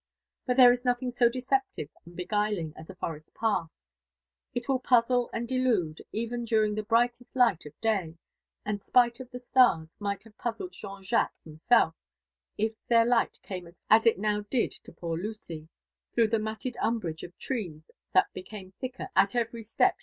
But there is nothing so deceptive and beguiling as a forest path ; it will puzzle and delude even during the brightest light of day, and, spite of the stars, might hare puzzled Jean lacqo^s himself, if their light came as faintly as it now did to poor Lucy, through the matted umbrage of trees that became thicker at every step JONATHAN JEFFBRSON WHITLAW.